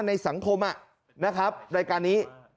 ในสังคมนะครับรายการนี้